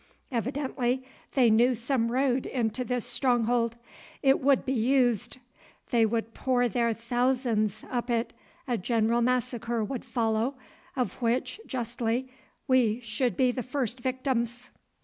Evidently they knew some road into this stronghold. It would be used. They would pour their thousands up it, a general massacre would follow, of which, justly, we should be the first victims.